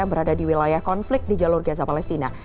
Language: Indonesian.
yang berada di wilayah konflik di jalur gaza palestina